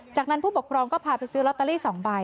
จากนั้นผู้ปกครองก็ผ่าประซื้อรอตาลี๒ใบ